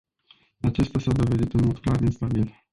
Acesta s-a dovedit în mod clar instabil.